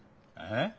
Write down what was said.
えっ？